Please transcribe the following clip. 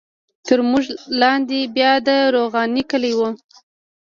تر موږ لاندې بیا د روغاني کلی وو.